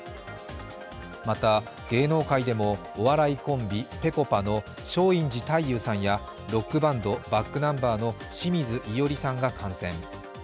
また芸能界でもお笑いコンビ、ぺこぱの松陰寺太勇さんやロックバンドｂａｃｋｎｕｍｂｅｒの清水依与吏さんが感染。